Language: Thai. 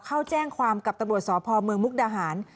เข้าแจ้งความกับตำรวจสพเมืองมุกดาหาร